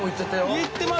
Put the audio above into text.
行ってます。